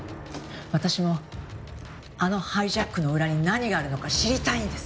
私もあのハイジャックの裏に何があるのか知りたいんです。